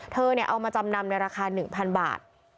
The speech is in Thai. เธอเอามาจำนำในราคา๑๐๐บาท